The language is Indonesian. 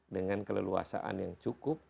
dengan keleluasaan yang cukup